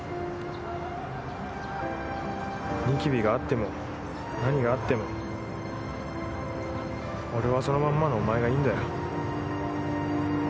ニキビがあっても何があっても俺はそのまんまのお前がいいんだよ。